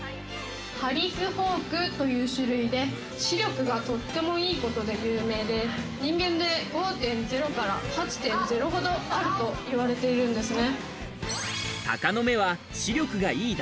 ハリスホークという種類で視力がとってもいいことで有名で、人間で５．０から８．０ほどあると言われているんですね。